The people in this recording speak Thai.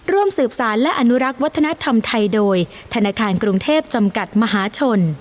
ร่วมสืบสารและอนุรักษ์วัฒนธรรมไทยโดยธนาคารกรุงเทพจำกัดมหาชน